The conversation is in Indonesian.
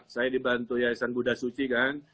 saya dibantu ya esan budha suci kan